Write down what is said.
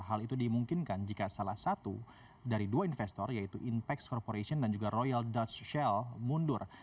hal itu dimungkinkan jika salah satu dari dua investor yaitu inpex corporation dan juga royal dutch shell mundur